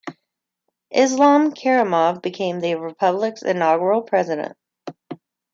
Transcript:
Islam Karimov became the republic's inaugural president.